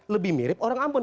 lebih mirip orang ambon